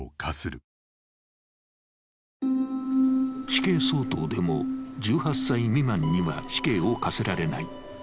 死刑相当でも１８歳未満には死刑を科せられない。